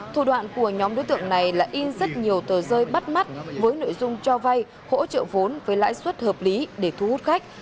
thủ đoạn của nhóm đối tượng này là in rất nhiều tờ rơi bắt mắt với nội dung cho vay hỗ trợ vốn với lãi suất hợp lý để thu hút khách